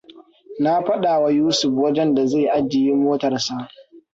Na faɗawa Yusuf wajen da zai ajiye motarsa.